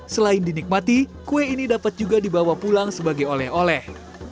selain dinikmati kue ini dapat juga dibawa pulang sebagai oleh oleh